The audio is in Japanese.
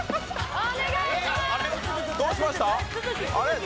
お願いします！